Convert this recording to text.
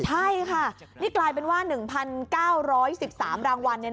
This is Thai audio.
ใช่ค่ะนี่กลายเป็นว่า๑๙๑๓รางวัลเนี่ย